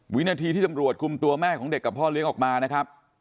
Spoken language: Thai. วินาทีที่ตำรวจคุมตัวแม่ของเด็กกับพ่อเลี้ยงออกมานะครับ